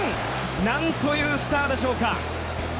何というスターでしょうか。